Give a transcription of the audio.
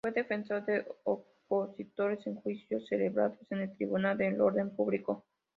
Fue defensor de opositores en juicios celebrados en el Tribunal de Orden Público.